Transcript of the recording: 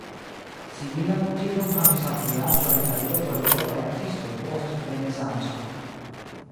Similan utilon havis la vojaĝo al Italio por eŭropaj artistoj post Renesanco.